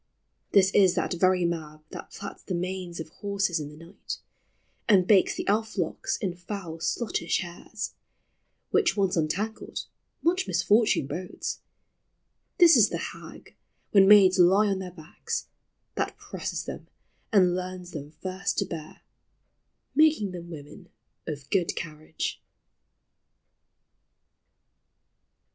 This is that very Mab That plats the manes of horses in the night ; And hakes the elf locks in foul sluttish hairs, Which, once untangled, much misfortune bodes: This is the hag, when maids lie on their backs, That presses them, and learns them first to heai 1 , Making them women of good carriage.